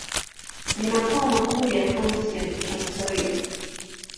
Ni makao makuu ya kaunti ya Trans-Nzoia.